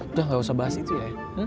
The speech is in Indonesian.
udah gak usah bahas itu ya